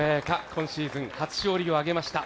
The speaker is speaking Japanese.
今シーズン初勝利を挙げました。